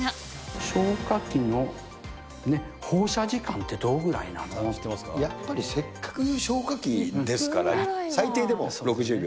消火器の放射時間って、やっぱりせっかく消火器ですから、最低でも６０秒。